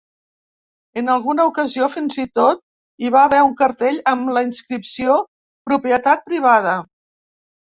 En alguna ocasió fins i tot hi va haver un cartell amb la inscripció "Propietat privada".